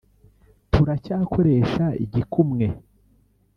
turacyakoresha igikumwe